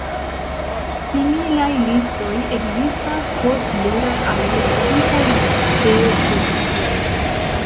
Similaj listoj ekzistas por pluraj aliaj tipoj de produktoj.